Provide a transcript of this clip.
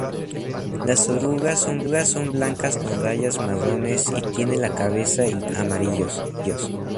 Las orugas son blancas con rayas marrones y tiene la cabeza y tórax amarillos.